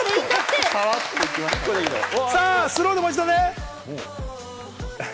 スローで、もう一度ね。